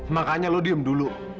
makanya lu diem dulu